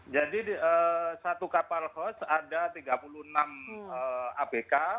jadi satu kapal hoss ada tiga puluh enam abk